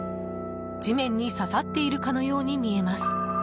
地面に刺さっているかのように見えます。